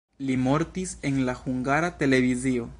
Li mortis en la Hungara Televizio.